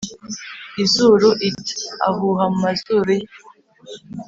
Izuru it ahuha mu mazuru ye